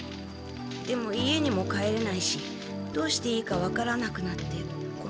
でも家にも帰れないしどうしていいかわからなくなってこの森に。